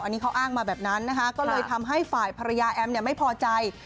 อันนี้เขาอ้างมาแบบนั้นนะคะก็เลยทำให้ฝ่ายภรรยาแอมเนี่ยไม่พอใจ